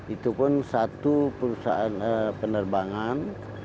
itu pun satu perusahaan penerbangan